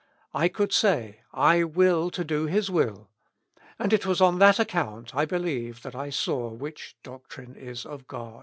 I could say, ' I will do His will,' and it was on that account, I believe, that I saw which ' doctrine is of G<?^.'